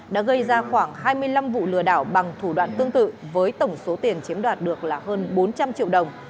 đã gây ra khoảng hai mươi năm vụ lừa đảo bằng thủ đoạn tương tự với tổng số tiền chiếm đoạt được là hơn bốn trăm linh triệu đồng